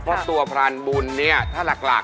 เพราะตัวพรานบุญนี้ถ้ารัก